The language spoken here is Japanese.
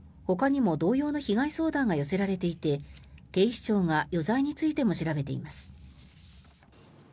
ほかにも同様の被害相談が寄せられていて警視庁が余罪についても調べています。